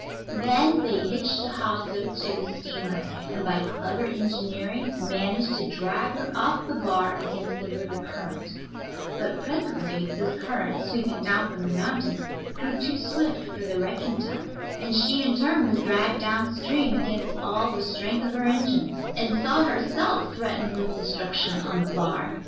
Then they hitched a hawser to the steamer, and by clever engineering managed to drag her off the bar against the river current; but presently this current, sweeping down from the mountains, grew too swift for the wrecking tug, and she in turn was dragged down stream against all the strength of her engines, and saw herself threatened with destruction on the bar.